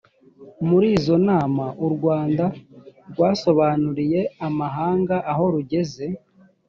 muri izo nama u rwanda rwasobanuriye amahanga aho rugeze.